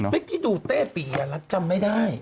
เมื่อกี้ดูเต้ปีอ่ะละจำไม่ได้